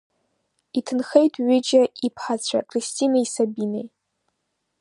Иҭынхеит ҩыџьа иԥҳацәа Кристинеи Сабинеи.